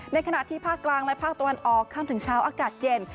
ในขณะที่ภาคกลางและภาคตะวันออกข้ามถึงเช้าอากาศเย็น